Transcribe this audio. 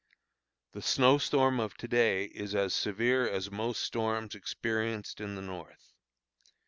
The snow storm of to day is as severe as most storms experienced in the North.